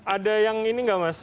ada yang ini nggak mas